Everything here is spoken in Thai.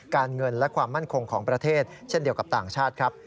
การเงินและความมั่นคงของประเทศเช่นเดียวกับต่างชาติครับ